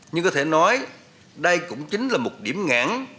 nhưng có thể nói đây cũng chính là một điểm ngãn